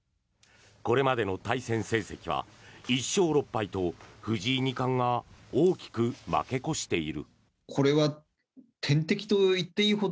これまでの対戦成績は１勝６敗と藤井二冠が大きく負け越している。